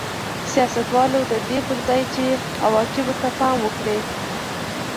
سیاستوالو د دې پر ځای چې عواقبو ته پام وکړي